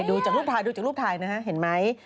ดูจากรูปถ่ายนะฮะเห็นไหม